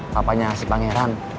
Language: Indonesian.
papanya si pangeran